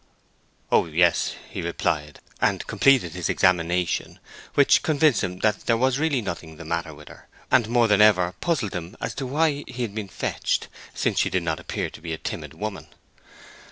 "Oh yes," he replied; and completed his examination, which convinced him that there was really nothing the matter with her, and more than ever puzzled him as to why he had been fetched, since she did not appear to be a timid woman.